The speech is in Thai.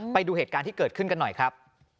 ไปดูเหตุการณ์ที่เกิดขึ้นกันหน่อยครับ